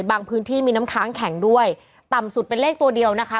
พื้นที่มีน้ำค้างแข็งด้วยต่ำสุดเป็นเลขตัวเดียวนะคะ